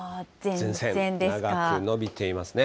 長く延びていますね。